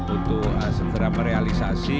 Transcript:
untuk segera merealisasi